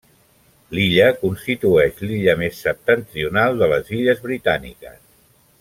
L'illa constitueix l'illa més septentrional de les Illes Britàniques.